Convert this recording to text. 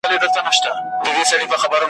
خُم به سر پر سر تشيږي ,